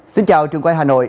xin chào trường quay hà nội